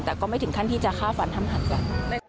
แต่ก็ไม่ถึงขั้นที่จะฆ่าฝันทำหัดกัน